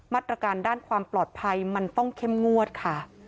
มาตรการด้านความปลอดภัยมันต้องเข้มงวดค่ะ